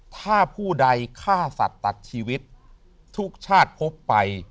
ถ้าผู้ใดฆ่าสัตว์ตัดชีวิตทุกชาติพบไป